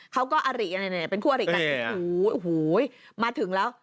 เขาก็อาริเป็นคู่อริกันโอ้โหมาถึงแล้ว